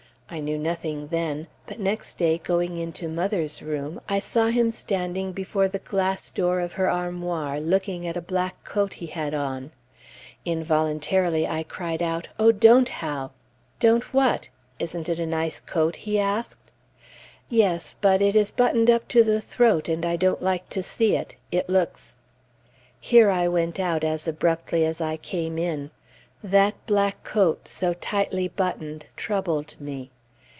I knew nothing then; but next day, going into mother's room, I saw him standing before the glass door of her armoir, looking at a black coat he had on. Involuntarily I cried out, "Oh, don't, Hal!" "Don't what? Isn't it a nice coat?" he asked. "Yes; but it is buttoned up to the throat, and I don't like to see it. It looks " here I went out as abruptly as I came in; that black coat so tightly buttoned troubled me.